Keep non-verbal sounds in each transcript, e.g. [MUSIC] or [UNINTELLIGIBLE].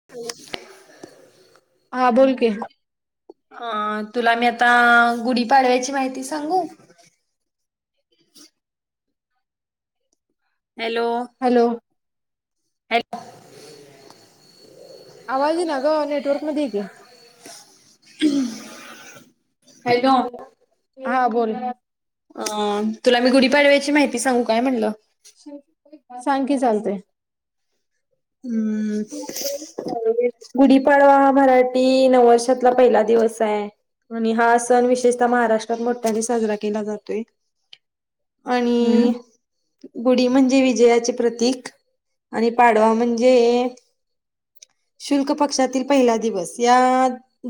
[INAUDIBLE] हा. बोल की. हां. तुला मी आता गुढीपाडव्याची माहिती सांगू? हॅलो हॅलो हॅलो आवाजे ना ग नेटवर्क मध्ये ये की. हम् हा बोल. अ तुला मी गुढीपाडव्याची माहिती सांगू काय म्हणलं.? सांग की चालते. हम् गुढीपाडवा हा मराठी नववर्षातला पहिला दिवस आहे. आणि हा सण विशेषतः महाराष्ट्रात मोठ्याने साजरा केला जातोय. आणि हम्म गुढी म्हणजे विजयाचे प्रतीक आणि पाट डवा म्हणजे शुल्क पक्षातील पहिला दिवस या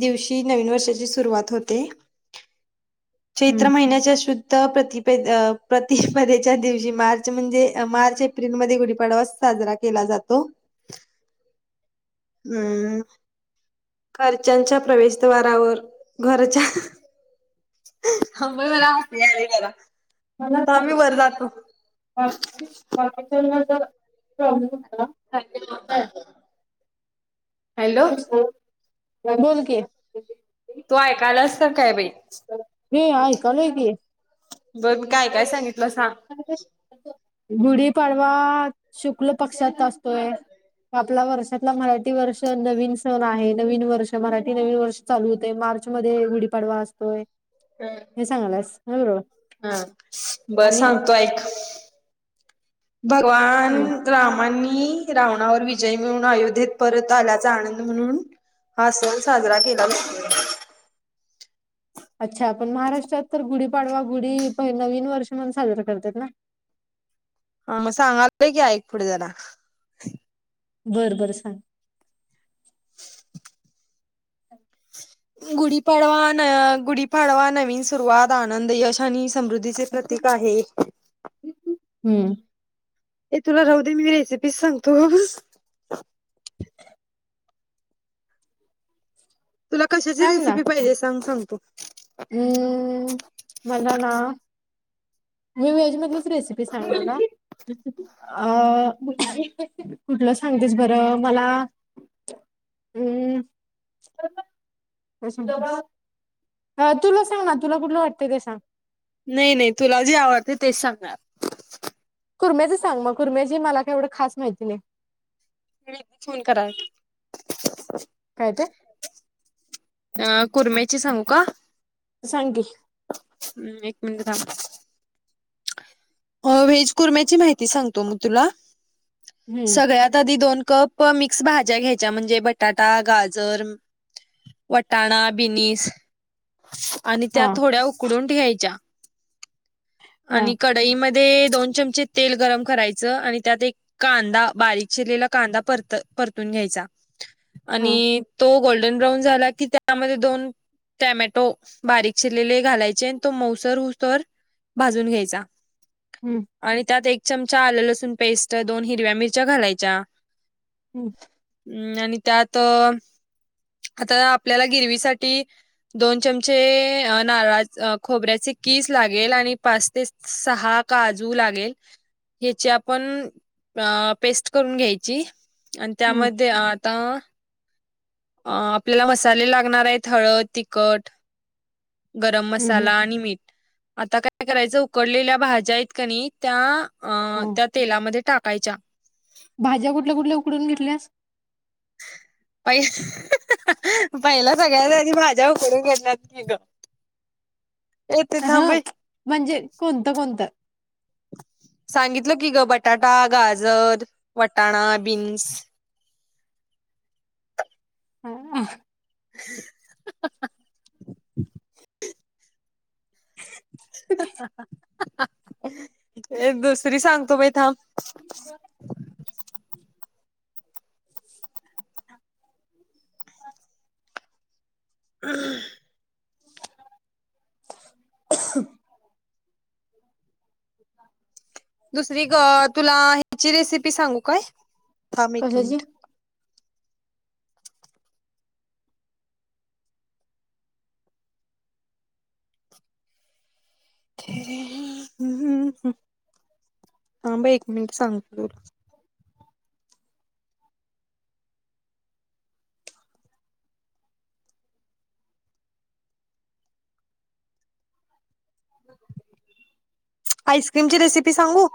दिवशी नवीन वर्षाची सुरुवात होते. चैत्र हम्म महिन्याच्या शु प्रतिप प्रतिपदेच्या दिवशी मार्च म्हणजे मार्च एप्रिलमध्ये गुढीपाडवा साजरा केला जातो. हम्म खर्च्यांच्या प्रवेशद्वारावर घरच्या अ मरा हात या मरा मला चाकी वाच्या होता [UNINTELLIGIBLE] हॅल हॅलो बसलोय तू बोल की तू ऐकायलास तर काय बाई हे ऐकालोय की बरं मी काय काय सांगितलं सांग गुढीपाडवा शुक्ल पक्षात असतोय आपला वर्षातला मराठी वर्ष सण नवीन सण आहे नवीन वर्ष मराठी नवीन वर्ष चालू होतेय मार्च मध्ये गुढीपाडवा असतोय हे सांगालास ह बरोबर हम बस आणि सांगतो ऐक भगवान हम्म रामांनी रावणावर विजय मिळून अयोध्येत परत आल्याचा आनंद म्हणून हा सण साजरा केला जातोय अच्छा पण महाराष्ट्रात तर गुढीपाडवा गुढीपण नवीन वर्ष म्हण साजरा करतात ना ह मग सांगालतोय की एक पुढे जरा बरं बरं सांग अ [UNINTELLIGIBLE] गुढीपाडवा अण गुढीपाडवा नवीन सुरुवात आनंद यश आणि समृद्धी हम्म ए तुला राहुदे मी रेसिपीज सांगतो [UNINTELLIGIBLE] तुला कशाची रेसिपी पाहिजे सांग सांगतो. हम् मला ना मी व्हेज मधलीच रेसिपी सांगणार ना. अ कुठलं सांगतेस बरं मला हम्म, खरंतर. हा, तुला सांग ना, तुला कुठलं वाटतय ते सांग. नाही नाही तुला जे आवडते तेच सांगणार. कुर्माची सांग मग, कुर्म्याची मला काय एवढं खास माहिती नाही. तुम्ही फोन करा. काय ते. अ कुर्म्याची सांगू का? सांग की, हम्म, एक मिनिट थांब. व्हेज कुर्म्याची माहिती सांगतो मग तुला हम्म सगळ्यात आधी दोन कप. प मिक्स भाज्या घ्यायच्या म्हणजे बटाटा, गाजर. वटाणा बिनिस. आणि त्या हा थोड्या उकडून घ्यायच्या हा आणि कट. ती मध्ये दोन चमचे तेल गरम करायचं आणि त्यात एक. कांदा बारीक शिरलेला कांदा परत परतून घ्यायचा हा आणि तो गोल्ड. गोल्डन ब्राऊन झाला की, त्यामध्ये दोन. टॅमॅटो बारीक शिरलेले घालायचे आणि तो मौसर होऊ तवर भाजून घ्यायचा. हम्म, आणि त्यात एक चमचा आलं लसूण पेस्ट दोन हिरव्या मिरच्या घालायच्या. हम्म, अम् आणि त्यात आता आपल्याला गिरवीसाठी. दोन चमचे नारळा खोबऱ्याचे कीस लागेल आणि पाच ते सा ''--'' सहा काजू लागेल. ह्याची आपण अ पेस्ट करून घ्यायची आणि हम्म त्यामध्ये आता. अ आपल्याला मसाले लागणार आहेत हळद तिखट. गरम हम्म हम्म. मसाला आणि मीठ आता काय. काय करायचं उकडलेल्या भाज्या आहेत कनी त्या अ हो त्या तेलामध्ये टाकायच्या. भाज्या कुठल्या कुठल्या उकडून घेतल्यास. पहि पहिला सांगायचं नाही मी भाजी उघडून घडल्यात. ग, ए ते हा, थांब बाई म्हणजे कोणतं कोणतं. सांगितलं की, ग बटाटा, गाजर, वटाणा, बीन्स. हा. हा हा हा, [INAUDIBLE] हम, एक दुसरी सांगतो बाई थांब. तस [INAUDIBLE] बर हमं, [INAUDIBLE] [INAUDIBLE] दुसरी ग तुला ह्याची रेसिपी सांगू काय थांब एक कशाची मिनिट. ते हम हम, थांब एक मिनिट सांगतो. ह [INAUDIBLE] आईस्क्रीमची रेसिपी सांगू?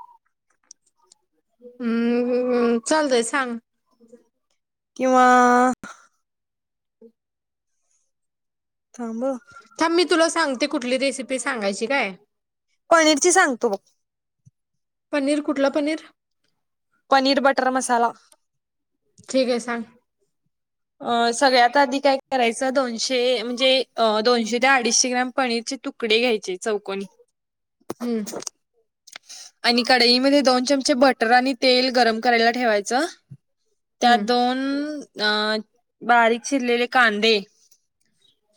हम्म हम्म, चालतय सांग. किंवा थांब थांब मी तुला सांगते कुटली रेसिपी सांगायची काय. पनीरची सांगतो बघ. पनीर कुठला पनीर? पनीर बटर मसाला. ठीक ये सांग. अं सगळ्यात आधी काय करायचं दोनशे म्हणजे दोनशे ते अडीचशे ग्राम पनीरचे तु कडे घ्यायचे चौकोनी. हम्म [INAUDIBLE] आणि कडईमध्ये दोन चमचे बटर आणि तेल गरम करायला ठेवायचं. त्यात हं, दोन अं, बारीक चिरलेले कांदे.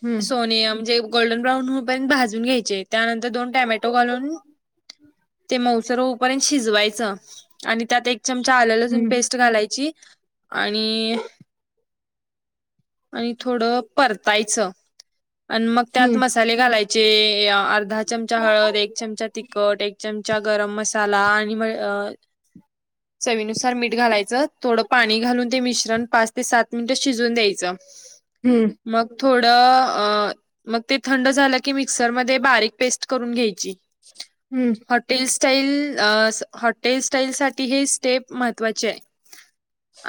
हं, सोनियम जे गोल्डन ब्राउन होउपर्यंत भाजून घ्यायचे त्यानंतर दोन टॅमेटो घालून, ते मऊसर होऊपर्यंत शिजवायचं, आणि त्यात एक चमचा आल लसून हं, पेस्ट घालायची, आणि आणि थोड परतायचं, आणि मग त्यात हं, मस् साले घालायचे अर्धा चमचा हळद एक चमचा ति कट एक चमचा गरम मसाला आणि अं, चवीनुसार मीठ घालायचं थोडं पाणी घालून ते मिश्रण पाच, ते सात मिनिट शिजून द्यायचं. हम्म मग थोडं अं मग ते थंड झालं की मिक्सरमध्ये बारीक पेस्ट करून घ्यायची. हम्म हॉटेल स्टाईल अं हॉटेल स्टाईलसाठी हे स्टेप महत्त्वाचीय.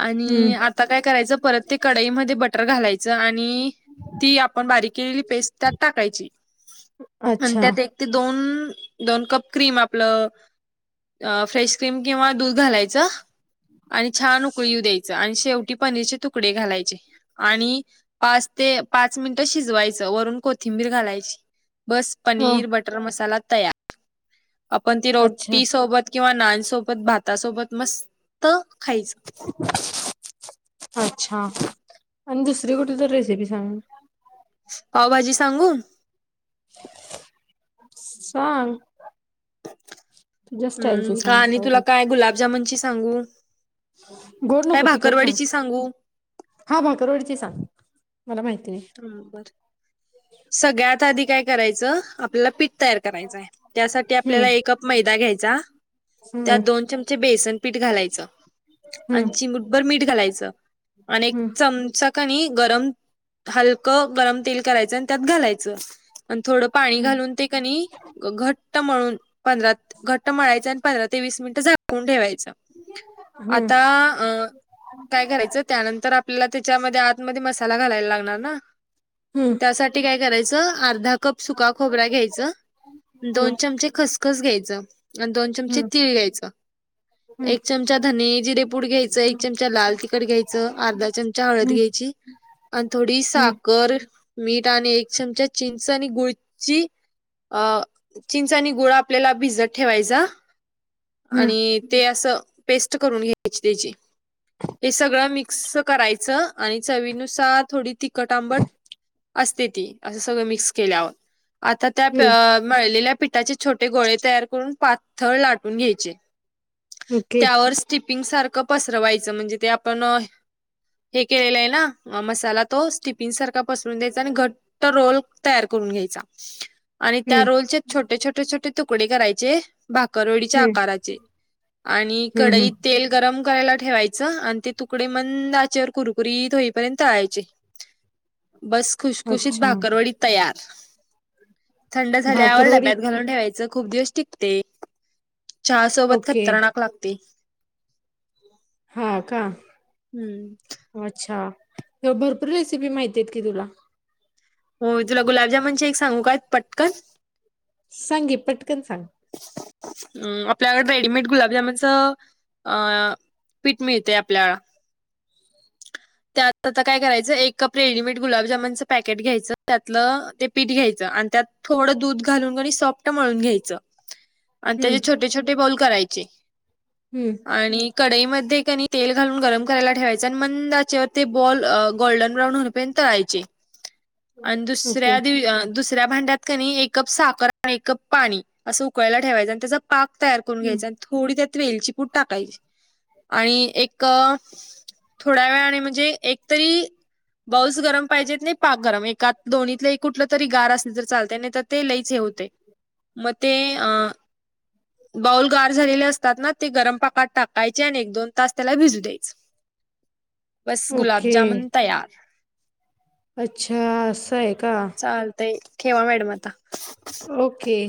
आणि हं. आता काय करायचं परत ते कढईमध्ये बटर घालायचं आणि, ती आपण बारीक केलेली पेस्ट त्यात टाकायची. आणि अच्छा! त्यात एक ते दोन दोन कप क्रीम आपलं फ्रेश क्रीम किंवा दूध घालायचं. आणि छान उकळी येऊ द्यायचं आणि शेवटी पनीरचे तुकडे घालायचे. आणि पाच ते पाच मिनिटं शिजवायचं वरून कोथिंबीर घालायची. बस हं. पनीर बटर मसाला तयार. आपण ती अच्छा, रोटीसोबत किंवा नानसोबत, भातासोबत मस्त खायचं. अच्छा! आणि दुसरी कुठली तर रेसिपी सांग? पावभाजी सांगू? सांग तुझ्या स्टाईलची हमं का सांग. आणि तुला अवघड काय गुलाबजामुनची सांगू? गोड काय नको तिखट सांग, भाकरवाडीची सांगू हा भाकरवडीची सांग मला माहितेय. हमं बर सगळ्यात आधी काय करायचं आपल्याला पीठ तयार करायचंय त्यासाठी आपल्याला हं, एक कप, मैदा घ्यायचा. त्यात हं, दोन चमचे बेसन पीठ घालायचं, हं, आन चिमूटभर मीठ घालायचं. आणि एक हं, चमचा कानी गरम, हलकं गरम तेल करायचं. आणि त्यात घालायचं आणि थोडं पाणी हं, घालून ते कनी, घट्ट म्हळून पंधरा घट्ट म्हळायचे आणि पंधरा ते वीस मिनिटं झाून ठेवायच. हं, आता अ काय करायचं? त्यानंतर आपल्याला त्याच्यामध्ये आतमध्ये मसाला घालायला लागणार ना, हं, हं, त्यासाठी करायच अर्धा कप सुका खोबर घ्यायच हं, दोन चमचे खसखस खसखस घ्यायचं आणि चमचे हं, तीळ घ्यायचं. हं, एक चमचा धनी जिरेपूड घ्यायचं एक चमचा लाल तिखट घ्यायचं अर्धा चमचा हळद हं, घ्यायची. आणि थोडी साखर मीठ आणि एक चमचा चिंच आणि गुळची अ चिंचाणी गुळा आपल्याला भिजत ठेवायचा. हं, आणि ते असं पेस्ट करून घ्यायची त्याची. हे सगळं मिक्स करायचं आणि चवीनुसार, थोडी तिखट आंबट असते ती असं सगळं मिक्स केल्यावर आता त्या, हं. मळलेल्या पिठाचे छोटे गोळे तयार करून पाथळ लाटून घ्यायचे. ओके. त्यावर सिपिंग सारखं पसरवायचं म्हणजे ते आपण हे केलेलं आहे ना मसाला. तो स्टिपिन सारखा पसरून द्यायचा आणि घट्ट रोल तयार करून घ्यायचा. आणि त्या हं, रोलचे छोटे छोटे छोटे तुकडे करायचे भाकरव डीच्या हं, आकाराचे. आणि हं, कडईत हं. तेल गरम करायला ठेवायचं आणि ते तुकडे मंद त्याच्यावर कुरकुरी धोईपर्यंताळायचे बस खुशखुशीत अच्छा. भाकरवडी तयार. थंड झाल्यावर भाकरवडी डब्यात घालून ठेवायचं खूप दिवस टिकते. चहा सोबत ओके. खतरनाक लागते. हा का.. हम्म.... अच्छा भरपूर रेसिपी माहिती आहेत की तुला. हो तुला गुलाबजामन चे सांगू काय पटकन. सांगे पटकन सांग. अम् आपल्याकड रेडीमेड गुलाबजामनच. अं पीठ मिळते आपल्याला. त्यात आता काय करायचं एक कप रेडीमेड गुलाबजामनचं पॅकेट घ्यायचं त्यातलंते पीठ घ्यायचं आणि त्यात. थोडं दूध घालून सॉफ्ट मळून घ्यायचं आणि त्याचे हं. छोटे छोटे बॉल करायचे. हम्म... आणि कडाईमध्ये कणी तेल घालून गरम करायला ठेवायचं आणि मंदाचेवर. ते बॉल गोल्डन ब्राउन होऊपर्यंत तळायचे आणि ओके. दुसऱ्या दु दुसऱ्या भांड्यात कनी एक कप साखर आणि एक कप पाणी असं उकलायला ठेवायचं आणि त्याच पाक तयार करून हं. घ्यायचा आणि थोडी त्यात वेलची पूट टाकायची आणि एक थोड्या वेळा आणि म्हणजे एकतरी बाल्स गरम पाहिजेत नाही पाक गरम एका दोन्तलं कुठलं तरी गार असले तर चालते नाही तर ते लईच हे होतय. ते, अ.. बॉल गार झालेले असतात ना ते गरम पाकात टाकायचे आणि एक दोन तास त्याला भिजू द्यायच. बस गुलाब ओके. जामन तयार. अच्छा आस आहे का. चालतय ठेवा मॅडम आता. ओके.